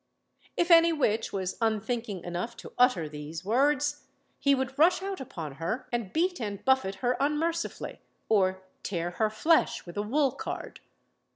If any witch was unthinking enough to utter these words, he would rush out upon her and beat and buffet her unmercifully, or tear her flesh with a wool card.